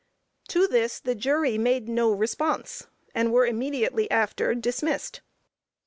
To this the jury made no response, and were immediately after dismissed.